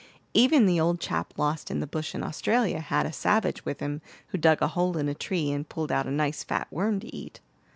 "Even the old chap lost in the bush in Australia had a savage with him who dug a hole in a tree, and pulled out a nice fat worm to eat.